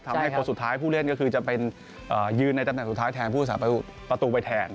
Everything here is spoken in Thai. ทำให้คนสุดท้ายผู้เล่นก็คือจะเป็นยืนในตำแหน่งสุดท้ายแทนผู้สาประตูไปแทน